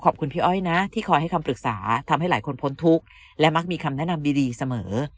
พี่อ้อยนะที่คอยให้คำปรึกษาทำให้หลายคนพ้นทุกข์และมักมีคำแนะนำดีเสมอ